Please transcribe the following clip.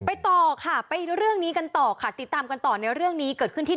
ต่อค่ะไปเรื่องนี้กันต่อค่ะติดตามกันต่อในเรื่องนี้เกิดขึ้นที่